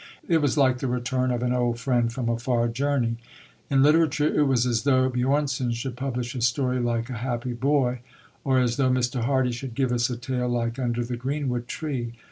It was like the return of an old friend from a far journey. In literature it was as though Björnson should publish a story like A Happy Boy, or as though Mr. Hardy should give us a tale like Under the Greenwood Tree.